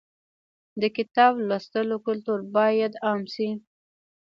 د کتاب لوستلو کلتور باید عام شي.